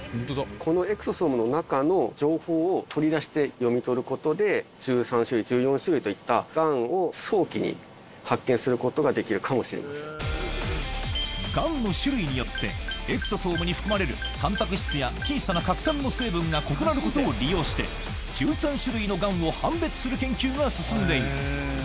このエクソソームの中の情報を取り出して読み取ることで、１３種類、１４種類といったがんを早期に発見することができるかもしれませがんの種類によって、エクソソームに含まれるたんぱく質や小さな核酸の成分が異なることを利用して、１３種類のがんを判別する研究が進んでいる。